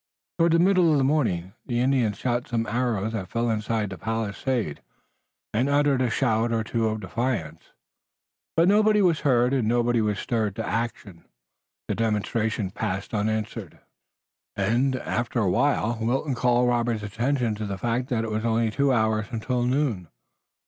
Toward the middle of the morning the Indians shot some arrows that fell inside the palisade, and uttered a shout or two of defiance, but nobody was hurt, and nobody was stirred to action. The demonstration passed unanswered, and, after a while, Wilton called Robert's attention to the fact that it was only two hours until noon.